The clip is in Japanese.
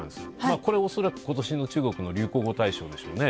これはおそらく今年の中国の流行語大賞でしょうね。